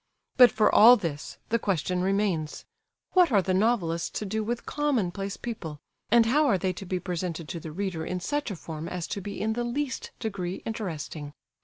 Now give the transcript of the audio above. But for all this, the question remains,—what are the novelists to do with commonplace people, and how are they to be presented to the reader in such a form as to be in the least degree interesting?